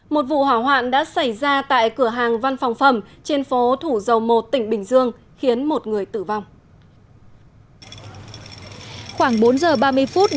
một vụ hỏa hoạn đã xảy ra tại cửa hàng văn phòng phẩm trên phố thủ dầu một tỉnh bình dương khiến một người tử vong